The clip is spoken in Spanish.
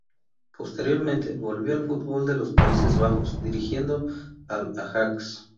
Posteriormente, volvió al fútbol de los Países Bajos, dirigiendo al Ajax.